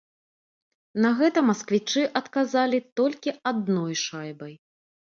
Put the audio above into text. На гэта масквічы адказалі толькі адной шайбай.